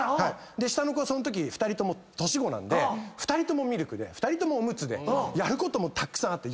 下の子はそのとき年子なので２人ともミルクで２人ともおむつでやることもたくさんあって。